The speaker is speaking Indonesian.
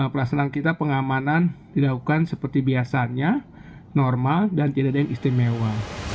pelaksanaan kita pengamanan dilakukan seperti biasanya normal dan tidak ada yang istimewa